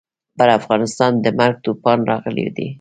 پر افغانستان د مرګ توپان راغلی دی.